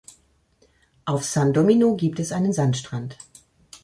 Auf San Domino gibt es einen Sandstrand.